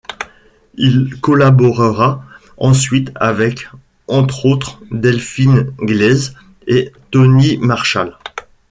Il collaborera ensuite avec, entre autre, Delphine Gleize et Tonie Marshall.